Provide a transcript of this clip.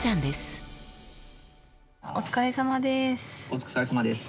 お疲れさまです。